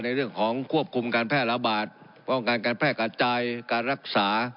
ในเรื่องของควบคุมการแพร่ระบาดป้องกันการแพร่กระจายการรักษา